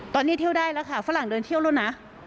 ตอนนี้เที่ยวได้แล้วค่ะฝรั่งเดินเที่ยวแล้วนะ